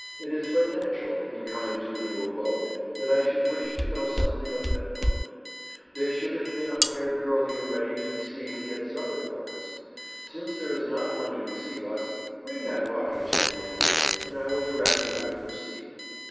It is but natural, in coming to a new abode, that I should wish to know something of that abode. There should have been a hired girl here ready to receive and get supper for us. Since there is not one to receive us, bring that rocking chair, my dear, and I will direct you how to proceed."